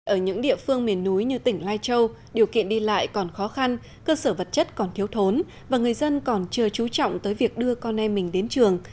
ở những địa phương miền núi như tỉnh lai châu điều kiện đi lại còn khó khăn cơ sở vật chất còn thiếu thốn và người dân còn chưa trú trọng tới việc đưa con em mình đến trường